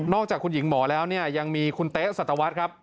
นอกจากคุณหญิงหมอแล้วยังมีคุณเต๊สัตวัสครับ